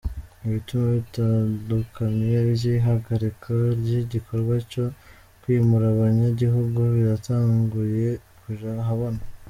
Ibituma bitandukanye vy'ihagarika ry'igikorwa co kwimura abanyagihugu biratanguye kuja ahabona.